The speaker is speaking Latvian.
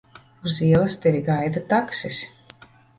Uz ielas tevi gaida taksis.